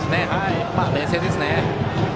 冷静ですよね。